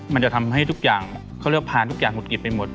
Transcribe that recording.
มันจะทำให้ทุกอย่างเขาเลือกผ่านทุกอย่างหุดหงิดไปหมด